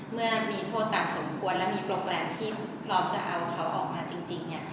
เมื่อมีโทษตามสมควรและมีโปรแกรมที่พร้อมจะเอาเขาออกมาจริงเนี่ย